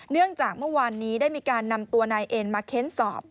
เนื่องจากเมื่อวานนี้ได้มีการนำตัวนายเอ็นมาเค้นสอบ